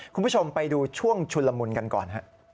คุณผู้ชมไปดูช่วงชุนละมุนกันก่อนฮะ